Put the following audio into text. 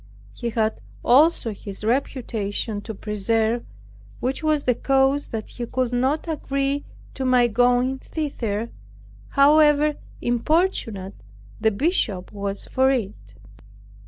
He had also his reputation to preserve, which was the cause that he could not agree to my going thither, however importunate the Bishop was for it.